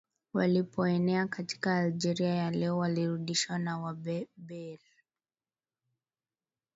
Walipoenea katika Algeria ya leo walirudishwa na Waberber